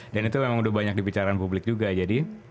dan itu memang udah banyak di bicaraan publik juga jadi